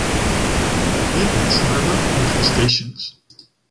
It eats larvae and crustaceans.